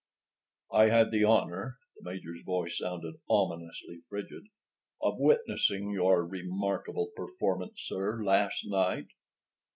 "I had the honor"—the Major's voice sounded ominously frigid—"of witnessing your very remarkable performance, sir, last night."